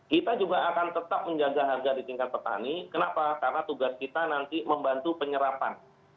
kita juga akan tetap menjaga harga di tingkat petani kenapa karena tugas kita nanti membantu penyerapan